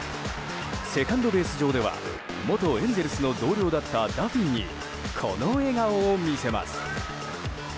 セカンドベース上では元エンゼルスの同僚だったダフィーにこの笑顔を見せます。